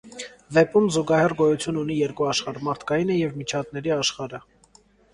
Վեպում զուգահեռ գոյություն ունի երկու աշխարհ՝ մարդկայինը և միջատների աշխարհը։